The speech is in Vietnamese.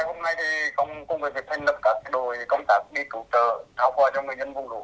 hôm nay thì công tác bị cứu trợ tháo qua cho người dân vùng lũ